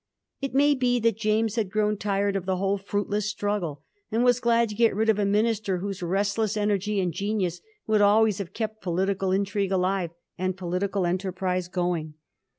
It may be that James had grown tired of the whole firuitless struggle, and was glad to get rid of a minister whose restless energy and genius would always have kept political intrigue alive, and political enterprises going.